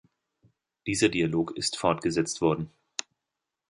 Dieser Dialog ist fortgesetzt worden.